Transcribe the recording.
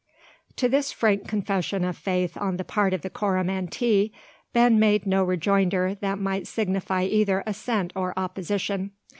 To this frank confession of faith on the part of the Coromantee Ben made no rejoinder that might signify either assent or opposition.